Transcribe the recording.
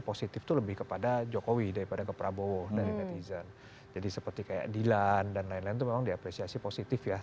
positif itu lebih kepada jokowi daripada ke prabowo dari netizen jadi seperti kayak dilan dan lain lain itu memang diapresiasi positif ya